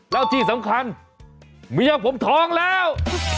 แล้วที่สำคัญเมียผมท้องแล้ว